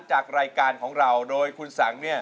จากรายการของเราโดยคุณสังเนี่ย